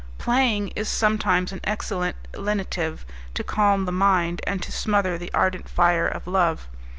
Playing is sometimes an excellent lenitive to calm the mind, and to smother the ardent fire of love.